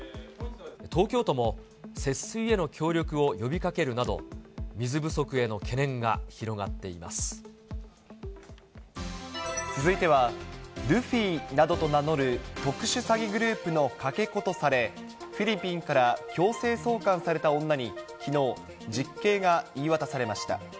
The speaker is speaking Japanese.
東京都も、節水への協力を呼びかけるなど、続いては、ルフィなどと名乗る特殊詐欺グループのかけ子とされ、フィリピンから強制送還された女にきのう、実刑が言い渡されました。